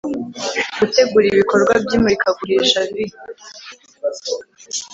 Gutegura ibikorwa by imurikagurisha vi